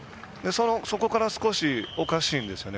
そこから少しおかしいんですよね。